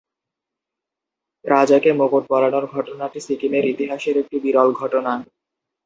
রাজাকে মুকুট পড়ানোর ঘটনাটি সিকিমের ইতিহাসের একটি বিরাট ঘটনা।